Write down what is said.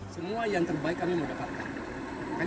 semua yang terbaik kami mendapatkan